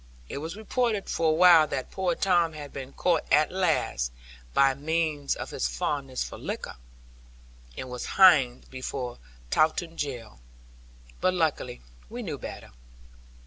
It was reported for awhile that poor Tom had been caught at last, by means of his fondness for liquor, and was hanged before Taunton Jail; but luckily we knew better.